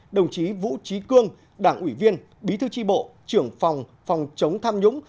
đồng chí vũ trí cương đảng ủy viên bí thư tri bộ trưởng phòng phòng chống tham nhũng